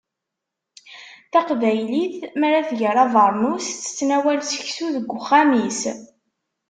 Taqbaylit mi ara tger abernus, tettnawal seksu deg uxxam-is.